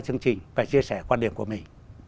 chương trình và chia sẻ quan điểm của mình